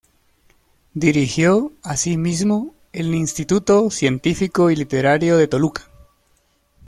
Dirigió asimismo el Instituto Científico y Literario de Toluca.